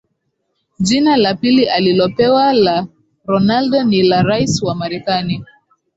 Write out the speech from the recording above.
Jina la pili alilopewa la Ronaldo ni la rais wa Marekani